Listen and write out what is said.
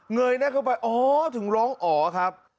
เยยหน้าเข้าไปอ๋อถึงร้องอ๋อครับ